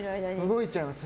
動いちゃいます。